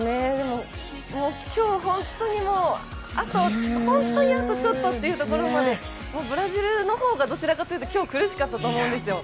今日、本当にあと、本当にあとちょっとというところまでブラジルの方がどちらかというと、今日、苦しかったと思うんですよ。